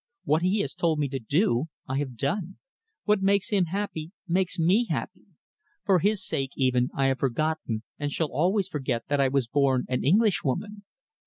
What he has told me to do, I have done. What makes him happy makes me happy. For his sake, even, I have forgotten and shall always forget that I was born an Englishwoman.